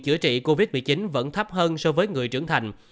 chữa trị covid một mươi chín vẫn thấp hơn so với người trưởng thành